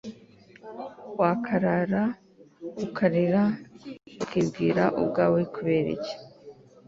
wakarara ukarira ukibwira ubwawe, kubera iki